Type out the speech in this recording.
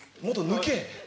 「抜け」。